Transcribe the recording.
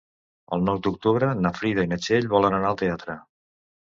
El nou d'octubre na Frida i na Txell volen anar al teatre.